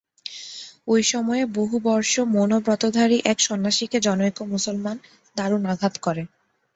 ঐ সময়ে বহুবর্ষ-মৌনব্রতধারী এক সন্ন্যাসীকে জনৈক মুসলমান দারুণ আঘাত করে।